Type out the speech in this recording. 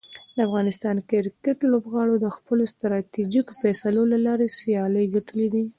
د افغانستان کرکټ لوبغاړو د خپلو ستراتیژیکو فیصلو له لارې سیالۍ ګټلي دي.